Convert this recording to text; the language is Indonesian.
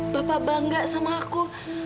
bapak bangga sama aku